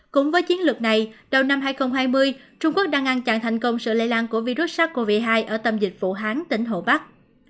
cũng với chiến lược này đầu năm hai nghìn hai mươi trung quốc đang ngăn chặn thành công sự lây lan của virus sars cov hai ở tâm dịch vụ vũ hán tỉnh hồ bắc